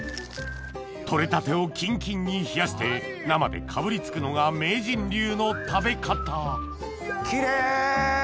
取れたてをキンキンに冷やして生でかぶり付くのが名人流の食べ方キレイ！